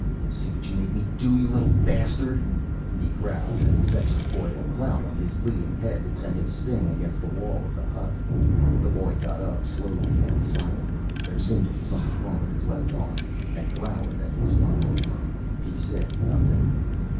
"See what you made me do, you little bastard?" he growled, and fetched the boy a clout on his bleeding head that sent him spinning against the wall of the hut. The boy got up slowly and silently there seemed to be something wrong with his left arm and glowered at his father. He said nothing.